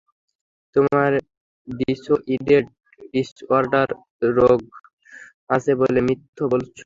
তোমার dissociated disorder রোগ আছে বলে মিথ্যে বলেছো।